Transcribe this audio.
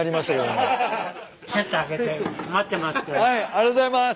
ありがとうございます。